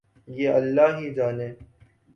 یہ اللہ ہی جانے۔